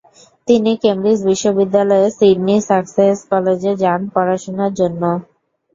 তিনি কেমব্রিজ বিশ্ববিদ্যালয়ের Sidney Sussex কলেজে যান পড়াশোনার উদ্দেশ্যে।